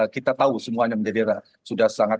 kita tahu semuanya menjadi sudah sangat